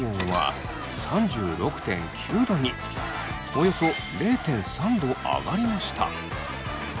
およそ０．３℃上がりました。